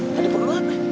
tadi perlu apa